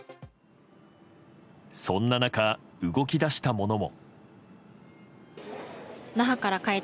そんな中、動き出したものも。